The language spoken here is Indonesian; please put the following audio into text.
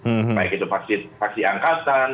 seperti itu vaksin angkatan